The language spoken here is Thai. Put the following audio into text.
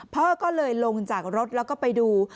พ่อก็เลยลงจากรถแล้วก็ไปดู